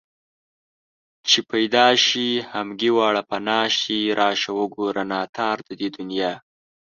چې پيدا شي همگي واړه پنا شي راشه وگوره ناتار د دې دنيا